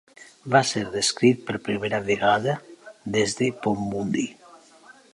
Va ser descrit per primera vegada des de Ponmudi.